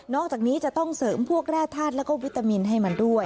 อกจากนี้จะต้องเสริมพวกแร่ธาตุแล้วก็วิตามินให้มันด้วย